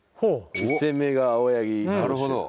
１戦目が青柳投手。